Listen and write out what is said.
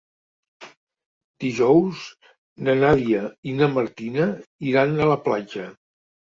Dijous na Nàdia i na Martina iran a la platja.